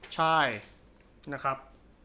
ใช่นะครับ